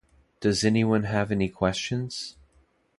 Does anyone have any questions?